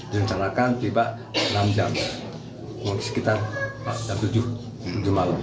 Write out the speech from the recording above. direncanakan tiba enam jam mungkin sekitar jam tujuh jam delapan